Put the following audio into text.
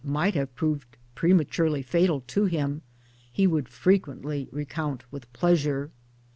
MILLTHORPIANA 181 have proved prematurely fatal to him, he would frequently recount with pleasure.